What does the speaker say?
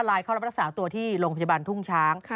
เข้ารับรักษาตัวที่โรงพยาบาลทุ่งช้าง